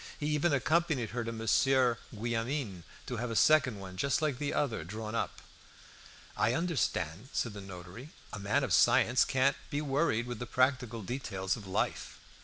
He even accompanied her to Monsieur Guillaumin to have a second one, just like the other, drawn up. "I understand," said the notary; "a man of science can't be worried with the practical details of life."